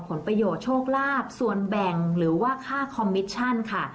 ผลประโยชน์โชคลาภส่วนแบ่งหรือว่าค่าคอมมิชชั่นค่ะ